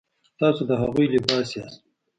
تاسو د هغوی لباس یاست.